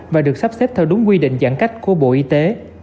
và được sắp xếp theo đúng quy định giãn cách của bộ y tế